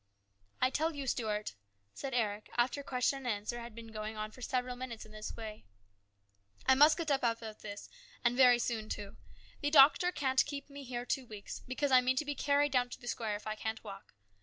" I tell you, Stuart," said Eric after question and answer had been going for several minutes in this way, " I must get up out of this, and very soon too. The doctor can't keep me here two weeks, because I mean to be carried down to the square if I can't walk.